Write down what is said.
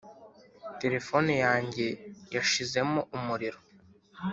Telephone yanjye yashizemo umuriro